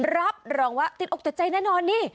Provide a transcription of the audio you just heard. รับรองว่าติดออกจุดใจแน่นอนดิ